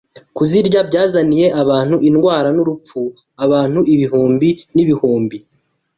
Kuzirya byazaniye indwara n’urupfu abantu ibihumbi n’ibihumbi